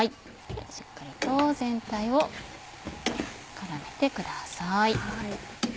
しっかりと全体を絡めてください。